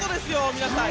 皆さん。